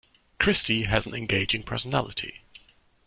Christy has an engaging personality.